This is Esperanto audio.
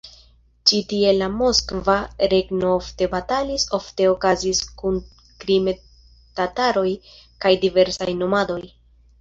Ĉi tie la Moskva Regno ofte batalis ofte okazis kun krime-tataroj kaj diversaj nomadoj.